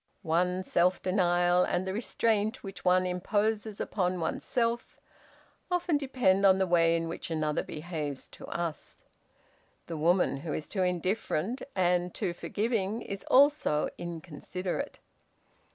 One's self denial and the restraint which one imposes upon one's self, often depend on the way in which another behaves to us. The woman who is too indifferent and too forgiving is also inconsiderate.